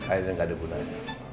kayaknya nggak ada gunanya